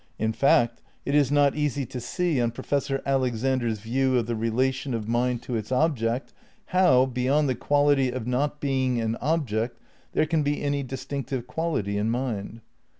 In fact, it is not easy to see, on Professor Alexander's view of the relation of mind to its object, how, beyond the quality of not being an object, there can be any distinctive quality in mind.